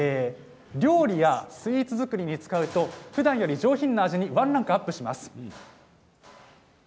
料理やスイーツ作りに使うとふだんより上品な味にワンランクアップします。